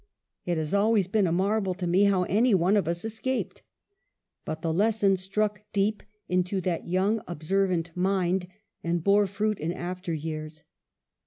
It has always been a marvel to me how any one of us escaped." But the lesson struck deep into that young observant mind, and bore fruit in after years.